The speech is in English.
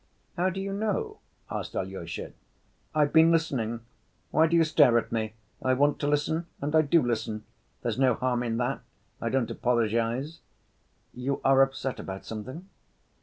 "How do you know?" asked Alyosha. "I've been listening. Why do you stare at me? I want to listen and I do listen, there's no harm in that. I don't apologize." "You are upset about something?"